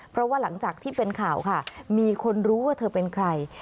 เพราะว่าหลังจากที่เป็นข่าวค่ะมีคนรู้ว่าเธอเป็นใคร